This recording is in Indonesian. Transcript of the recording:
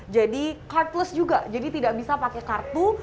jadi cartless juga jadi tidak bisa pakai kartu